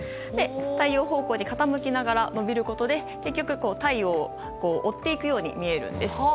太陽方向に傾きながら伸びることで結果、太陽を追っていくように見えるんです。